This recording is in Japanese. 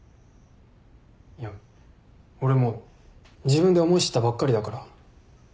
いや俺も自分で思い知ったばっかりだから。